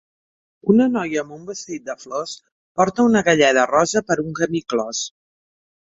Una noia amb un vestit de flors porta una galleda rosa per un camí clos.